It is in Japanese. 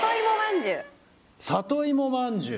里いもまんじゅう？